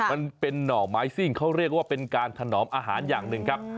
มันเป็นหน่อไม้ซิ่งเขาเรียกว่าเป็นการถนอมอาหารอย่างหนึ่งครับ